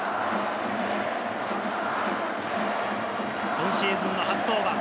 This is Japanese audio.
今シーズンの初登板。